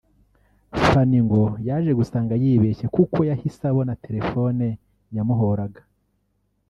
Fany ngo yaje gusanga yibeshye kuko yahise abona telefoni yamuhoraga